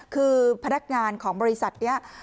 คือพนักงานของบริษัทนี้